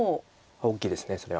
大きいですそれは。